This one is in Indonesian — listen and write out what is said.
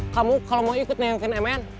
kamu kalau mau ikut nayangkan mn